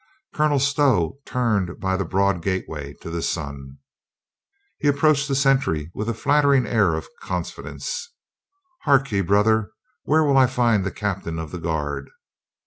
Colonel Stow turned by the broad gateway to the Sun. He approached the sentry with a flattering air i82 COLONEL GREATHEART of confidence. "Hark ye, brother, where will I find the captain of the guard?"